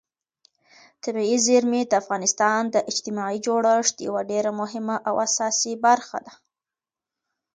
طبیعي زیرمې د افغانستان د اجتماعي جوړښت یوه ډېره مهمه او اساسي برخه ده.